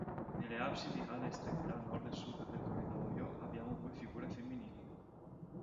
Nelle absidi alle estremità nord e sud del corridoio abbiamo due figure femminili.